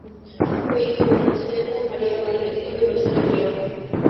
Fue hijo de Anselmo María Barreto y Rosario León.